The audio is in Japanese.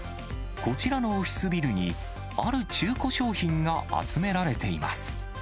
こちらのオフィスビルにある中古商品が集められています。